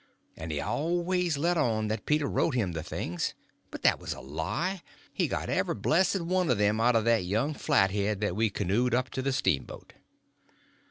And he always let on that Peter wrote him the things; but that was a lie: he got every blessed one of them out of that young flathead that we canoed up to the steamboat.